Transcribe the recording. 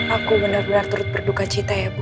aku benar benar turut berduka cita ya bu